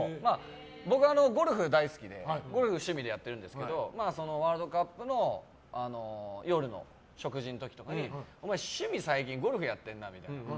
僕、ゴルフが大好きで趣味でやってるんですけどワールドカップの夜の食事の時とかにお前、趣味最近ゴルフやってるなみたいな。